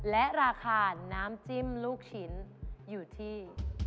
และราคาน้ำจิ้มลูกชิ้นอยู่ที่